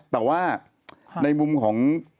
แต่ว่าในมุมของ